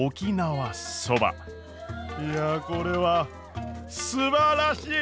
いやこれはすばらしい！